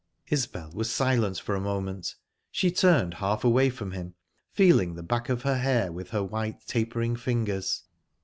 Isbel was silent for a moment. She turned half away from him, feeling the back of her hair with her white, tapering fingers.